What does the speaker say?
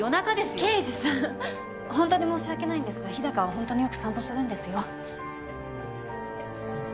刑事さんホントに申し訳ないんですが日高はホントによく散歩するんですよ